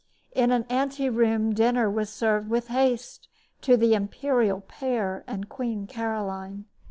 In an anteroom dinner was served with haste to the imperial pair and Queen Caroline.